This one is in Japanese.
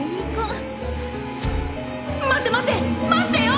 待って待って待ってよ！